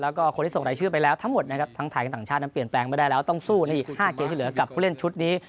แล้วก็คนที่ส่งรายชื่อไปแล้วทั้งหมดนะครับทั้งไทยกับต่างชาตินั้นเปลี่ยนแปลงไม่ได้แล้วต้องสู้ในอีก๕เกมที่เหลือกับผู้เล่นชุดนี้